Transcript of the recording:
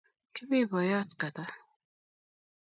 Kimi boiyot Kata